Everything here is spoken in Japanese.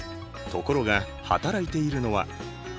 ところが働いているのは。